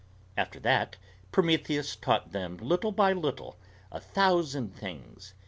After that, Prometheus taught them, little by little, a thousand things.